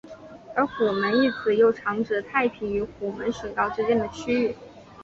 而虎门一词又常指太平与虎门水道之间的区域。